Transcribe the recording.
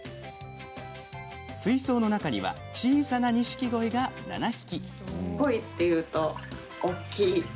水槽の中には小さなニシキゴイが７匹。